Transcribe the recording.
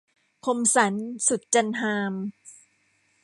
คมสันต์ สุดจันทร์ฮาม